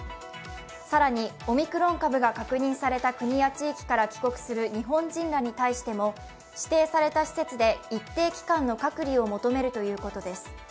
更に、オミクロン株が確認された国や地域から帰国する日本人らに対しても指定された施設で一定期間の隔離を求めるということです。